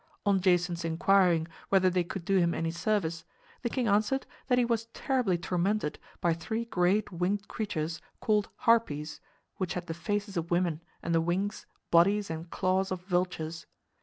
On Jason's inquiring whether they could do him any service, the king answered that he was terribly tormented by three great winged creatures called Harpies, which had the faces of women and the wings, bodies and claws of vultures.